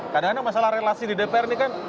kadang kadang masalah relasi di dpr ini kan